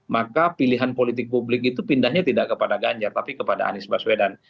maka pilihan politik publik itu pindahnya tidak kepada ganjar tapi kepada anies baswedan